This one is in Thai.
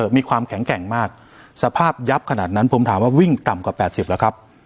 มีความแข็งแข็งมากสภาพยับขนาดนั้นภูมิถามว่าวิ่งกล่ำกว่าแปดสิบแล้วครับ